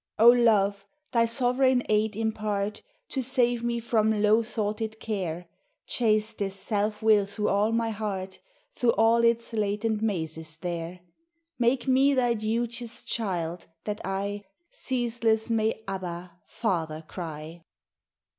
O Love, thy sovereign aid impart. To save me from low thoughted care; Chase this self will through all my heart, Through all its latent mazes there. Make me thy duteous child, that I Ceaseless may Abba, Father, cry.